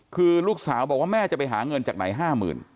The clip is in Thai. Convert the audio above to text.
คือลูกสาวบอกว่าแม่จะไปหาเงินจากไหน๕๐๐๐